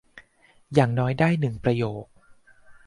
อย่างน้อยได้หนึ่งประโยค